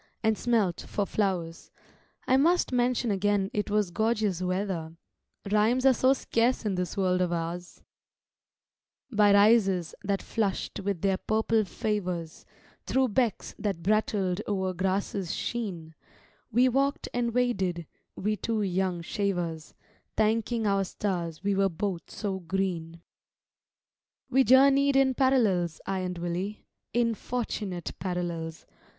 and smelt for flowers: I must mention again it was gorgeous weather, Rhymes are so scarce in this world of ours:— By rises that flush'd with their purple favours, Thro' becks that brattled o'er grasses sheen, We walked and waded, we two young shavers, Thanking our stars we were both so green. We journeyed in parallels, I and Willie, In fortunate parallels!